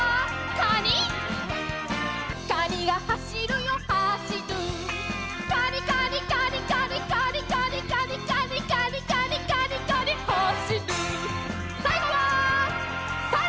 カニがはしるよはしるカニカニカニカニカニカニカニカニカニカニカニカニはしるさいごはさる！